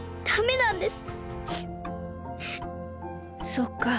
そっか。